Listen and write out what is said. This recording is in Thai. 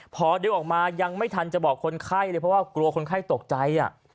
พอดึงออกมายังไม่ทันจะบอกคนไข้เลยเพราะว่ากลัวคนไข้ตกใจ